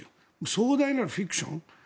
壮大なるフィクション。